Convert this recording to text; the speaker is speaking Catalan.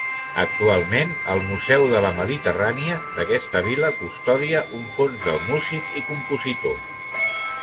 Actualment, el Museu de la Mediterrània, d'aquesta vila, custodia un fons del músic i compositor.